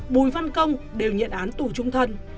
bùi văn công đều nhận án tù chung thân